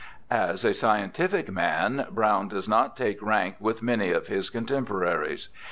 As a scientific man Browne does not take rank with many of his contemporaries.